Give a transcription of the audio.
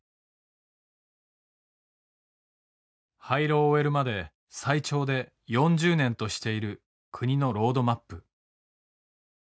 廃炉を終えるまで最長で４０年としている国のロードマップ。